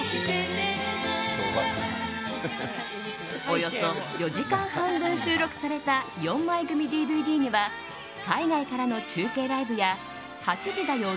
およそ４時間半分収録された４枚組ＤＶＤには海外からの中継ライブや「８時だョ！